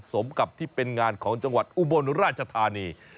สมกับที่เป็นงานของจังหวัดอุบลราชธานี